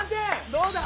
どうだ？